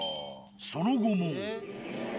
その後も。